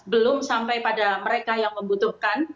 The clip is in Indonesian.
belum sampai pada mereka yang membutuhkan